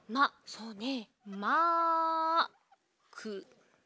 そうね。